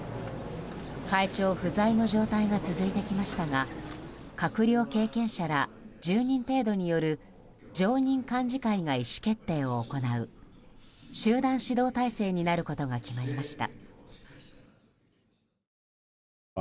会長不在の状態が続いてきましたが閣僚経験者ら１０人程度による常任幹事会が意思決定を行う集団指導体制になることが決まりました。